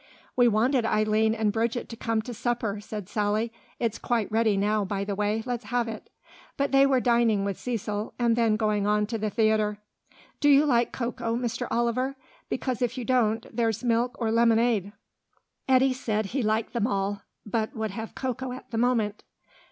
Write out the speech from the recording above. "We wanted Eileen and Bridget to come to supper," said Sally. "It's quite ready now, by the way; let's have it. But they were dining with Cecil, and then going on to the theatre. Do you like cocoa, Mr. Oliver? Because if you don't there's milk, or lemonade." Eddy said he liked them all, but would have cocoa at the moment.